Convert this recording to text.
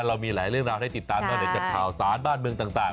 เรามีหลายเรื่องราวให้ติดตามมาเดี๋ยวจะเผาสารบ้านเมืองต่าง